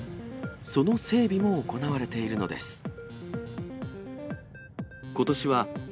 その整備も行われているのです。